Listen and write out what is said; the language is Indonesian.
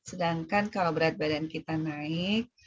sedangkan kalau berat badan kita naik